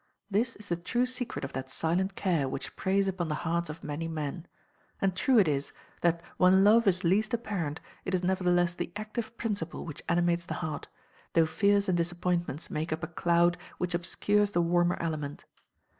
This is the true secret of that silent care which preys upon the hearts of many men, and true it is, that when love is least apparent, it is nevertheless the active principle which animates the heart, though fears and disappointments make up a cloud which obscures the warmer element.